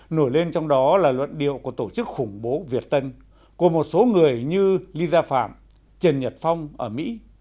nói lên trong đó là luận điều của tổ chức khủng bố việt tân của một số người như lý gia phạm trần nhật phong ở mỹ